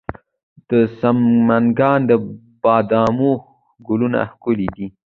د سمنګان د بادامو ګلونه ښکلي دي.